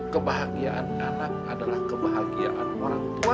kebahagiaan anak adalah kebahagiaan orang tua